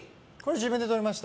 自分で撮りました。